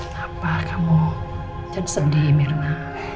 kenapa kamu sedih mirna